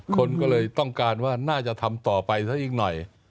คนก็เลยต้องการว่าน่าจะทำต่อไปซะอีกหน่อย